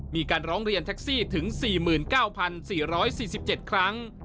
มีการร้องเรียนแท็กซี่ถึง๔๙๔๔๗ครั้ง